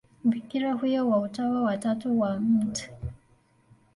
Bikira huyo wa Utawa wa Tatu wa Mt.